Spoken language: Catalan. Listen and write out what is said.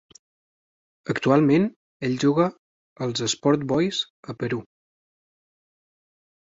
Actualment ell juga als Sport Boys a Perú.